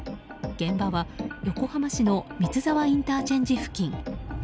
現場は横浜市の三ツ沢ＩＣ付近。